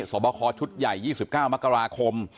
สอบคอชุดใหญ่๒๙มกราคม